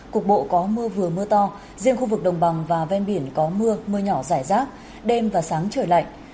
cục bộ có mưa vừa mưa to riêng khu vực đồng bằng và ven biển có mưa mưa nhỏ rải rác đêm và sáng trời lạnh